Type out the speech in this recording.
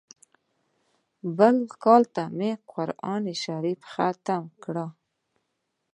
بل کال ته مې قران شريف ختم کړ.